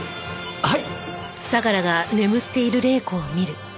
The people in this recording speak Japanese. はい！